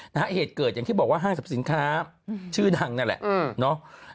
เหตุเกิดอย่างที่บอกว่าห้างสรรพสินค้าชื่อดังนั่นแหละเนาะ